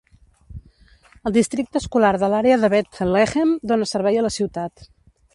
El districte escolar de l'àrea de Bethlehem dóna servei a la ciutat.